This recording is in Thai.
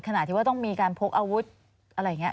มันก็มีการพกอาวุธอะไรอย่างนี้